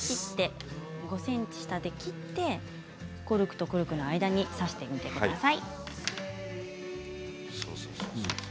５ｃｍ下で切ってコルクとコルクの間に挿してください。